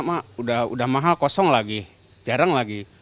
minyak goreng nama sudah mahal kosong lagi jarang lagi